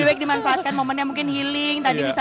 tapi di manfaatkan momennya mungkin healing tadi misalnya ya